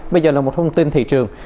bây giờ là một thông tin thị trường